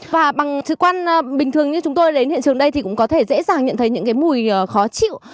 và bằng thứ quan bình thường như chúng tôi đến hiện trường đây thì cũng có thể dễ dàng nhận thấy những cái mùi khó chịu